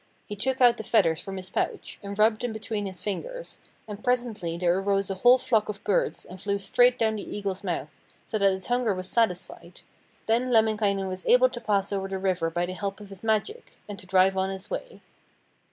He took out the feathers from his pouch and rubbed them between his fingers, and presently there arose a whole flock of birds and flew straight down the eagle's mouth so that its hunger was satisfied, then Lemminkainen was able to pass over the river by the help of his magic, and to drive on his way.